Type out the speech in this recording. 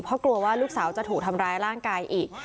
เพราะกลัวว่าลูกสาวจะถูกทำร้ายร่างกายอีก